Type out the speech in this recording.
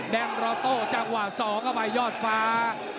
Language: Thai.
แดงรอโตร์จังหวะ๒ออกไปยอดฟ้า